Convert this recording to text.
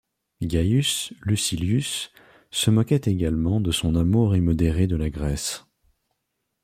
Gaius Lucilius, se moquait également de son amour immodéré de la Grèce.